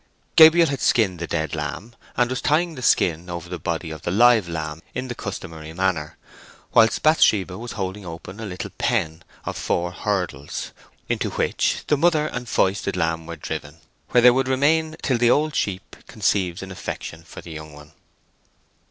Gabriel had skinned the dead lamb, and was tying the skin over the body of the live lamb, in the customary manner, whilst Bathsheba was holding open a little pen of four hurdles, into which the mother and foisted lamb were driven, where they would remain till the old sheep conceived an affection for the young one.